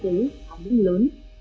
được đơn chí tổng bí thư nguyễn phú trọng